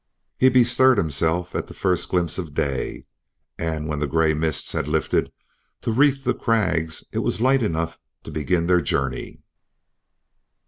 He bestirred himself at the first glimpse of day, and when the gray mists had lifted to wreathe the crags it was light enough to begin the journey.